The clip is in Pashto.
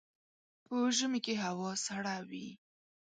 په ژمي کي هوا سړه وي.